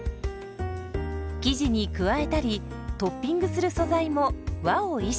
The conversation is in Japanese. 生地に加えたりトッピングする素材も和を意識。